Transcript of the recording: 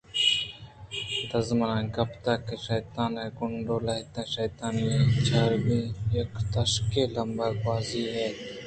دزّءَ منا گِپت شیطانیں گوٛنڈو لہتیں شیطانیں چُورِیگ یک تکشے ءِ لمب ءَ گوٛازی ءَ اِتنت